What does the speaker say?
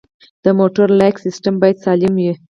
د موټر لاک سیستم باید سالم وي.